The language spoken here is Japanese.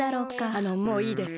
あのもういいです。